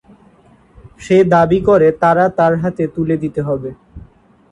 সে দাবি করে তারা তার হাতে তুলে দিতে হবে।